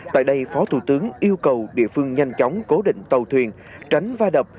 tại đây phó thủ tướng yêu cầu địa phương nhanh chóng cố định tàu thuyền tránh va đập